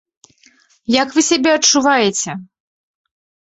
Як вы сябе адчуваеце?